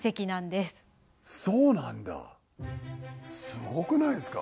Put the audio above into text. すごくないですか？